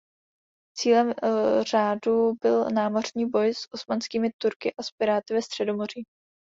Cílem řádu byl námořní boj s osmanskými Turky a s piráty ve Středomoří.